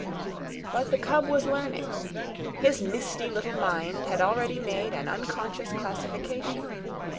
But the cub was learning. His misty little mind had already made an unconscious classification.